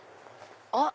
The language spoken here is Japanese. あっ！